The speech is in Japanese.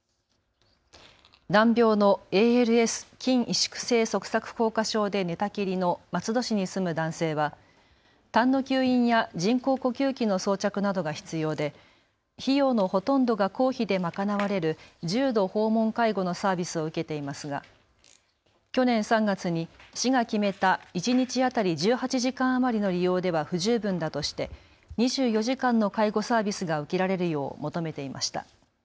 難病のＡＬＳ・筋萎縮性側索硬化症で寝たきりの松戸市に住む男性はたんの吸引や人工呼吸器の装着などが必要で費用のほとんどが公費で賄われる重度訪問介護のサービスを受けていますが去年３月に市が決めた一日当たり１８時間余りの利用では不十分だとして２４時間の介護サービスが受けられるよう求めていました。